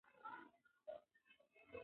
دال ژر هضمیږي.